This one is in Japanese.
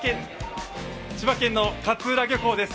千葉県の勝浦漁港です。